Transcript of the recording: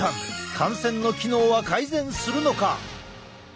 汗腺の機能は改善するのか？